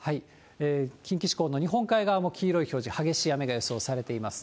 近畿地方の日本海側も黄色い表示、激しい雨が予想されています。